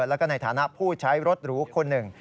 แล้วก็ในฐานะผู้ใช้รถหรูคนหนึ่ง